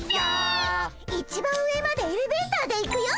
一番上までエレベーターで行くよ。